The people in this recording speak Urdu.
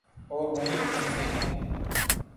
اوروہیں پھنسے ہیں۔